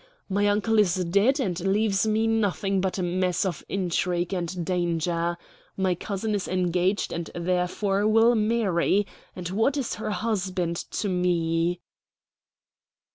My uncle is dead and leaves me nothing but a mess of intrigue and danger. My cousin is engaged and therefore will marry and what is her husband to me?"